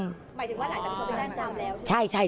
หมายถึงว่าหลายคนเขาไปด้านจำแล้วใช่ไหม